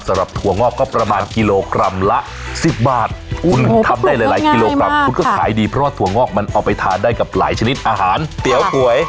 ถั่วงอกก็ประมาณกิโลกรัมละ๑๐บาทคุณทำได้หลายกิโลกรัมคุณก็ขายดีเพราะว่าถั่วงอกมันเอาไปทานได้กับหลายชนิดอาหารเตี๋ยวก๋วย